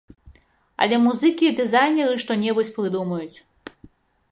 Але музыкі і дызайнеры што-небудзь прыдумаюць.